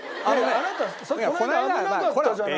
あなたこの間危なかったじゃない。